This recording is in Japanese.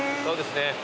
そうですね。